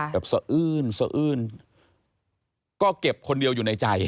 สะอื้นสะอื้นก็เก็บคนเดียวอยู่ในใจ